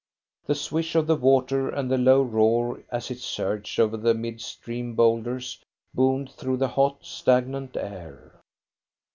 The swish of the water and the low roar as it surged over the mid stream boulders boomed through the hot, stagnant air.